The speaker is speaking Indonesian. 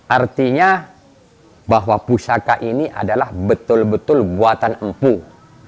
artinya bahwa pusaka ini adalah betul betul buatan empuh